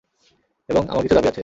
এবং আমার কিছু দাবি আছে।